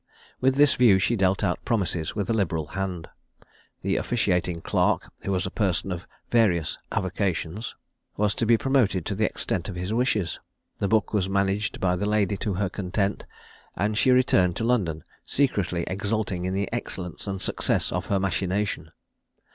With this view she dealt out promises with a liberal hand. The officiating clerk, who was a person of various avocations, was to be promoted to the extent of his wishes. The book was managed by the lady to her content, and she returned to London, secretly exulting in the excellence and success of her machination.